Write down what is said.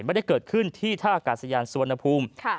ไม่ได้เกิดขึ้นที่ท่ากัดสะยานสวนภูมิ